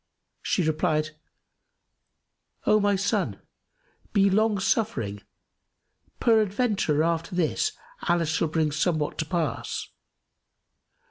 She replied, "O my son, be long suffering: peradventure, after this Allah shall bring somewhat to pass.